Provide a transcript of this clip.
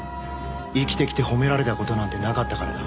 生きてきて褒められた事なんてなかったからな。